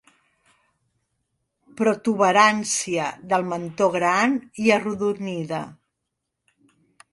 Protuberància del mentó gran i arrodonida.